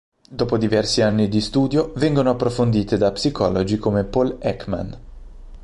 Dopo diversi anni di studio vengono approfondite da psicologi come Paul Ekman.